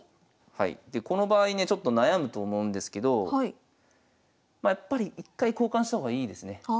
はいでこの場合ねちょっと悩むと思うんですけどやっぱり一回交換した方がいいですね。